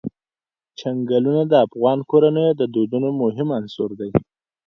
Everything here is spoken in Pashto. چنګلونه د افغان کورنیو د دودونو مهم عنصر دی.